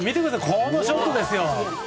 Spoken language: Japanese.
このショットですよ。